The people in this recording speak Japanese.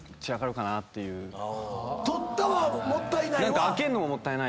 取ったわもったいないわ。